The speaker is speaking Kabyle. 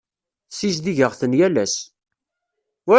Ssizdigeɣ-ten yal ass.